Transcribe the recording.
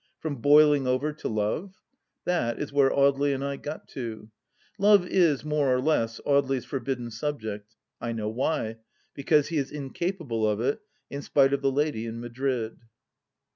From Boiling over to Love 1 That is where Audely and I got to. Love is, more or less, Audely's forbidden subject. I know why : because he is incapable of it, in spite of the lady in Madrid.